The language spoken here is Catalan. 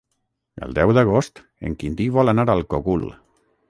El deu d'agost en Quintí vol anar al Cogul.